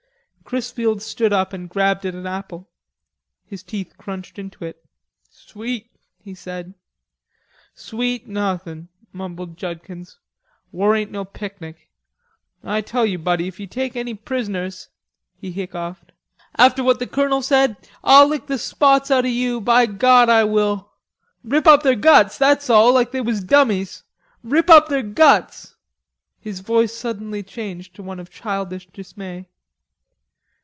Chrisfield stood up and grabbed at an apple. His teeth crunched into it. "Sweet," he said. "Sweet, nauthin'," mumbled Judkins, "war ain't no picnic.... I tell you, buddy, if you take any prisoners" he hiccoughed "after what the Colonel said, I'll lick the spots out of you, by God I will.... Rip up their guts that's all, like they was dummies. Rip up their guts." His voice suddenly changed to one of childish dismay.